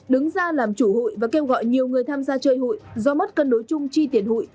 đứng ra làm chủ hụi và kêu gọi nhiều người tham gia chơi hụi do mất cân đối chung chi tiền hụi